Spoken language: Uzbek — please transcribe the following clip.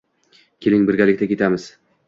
Keling birgalikda ketamiz.